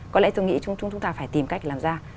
có lẽ tôi nghĩ chúng ta phải tìm cách làm ra